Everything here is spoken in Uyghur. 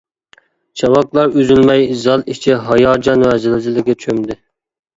چاۋاكلار ئۈزۈلمەي، زال ئىچى ھاياجان ۋە زىلزىلىگە چۆمدى.